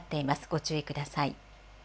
ご注意ください。